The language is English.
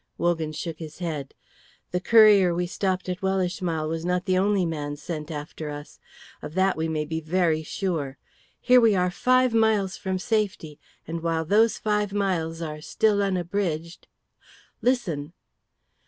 Wogan shook his head. "The courier we stopped at Wellishmile was not the only man sent after us. Of that we may be very sure. Here are we five miles from safety, and while those five miles are still unbridged Listen!"